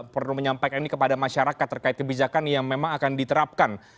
perlu menyampaikan ini kepada masyarakat terkait kebijakan yang memang akan diterapkan